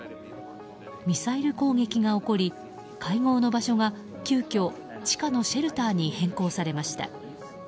ミサイル攻撃が起こり会合の場所が急きょ、地下のシェルターに変更されました。